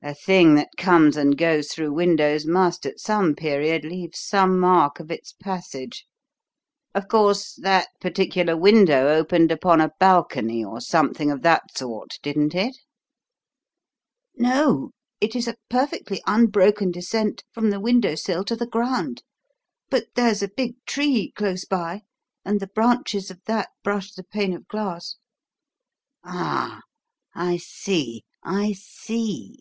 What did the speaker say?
A thing that comes and goes through windows must, at some period, leave some mark of its passage. Of course that particular window opened upon a balcony or something of that sort, didn't it?" "No, it is a perfectly unbroken descent from the window sill to the ground. But there's a big tree close by, and the branches of that brush the pane of glass." "Ah! I see! I see!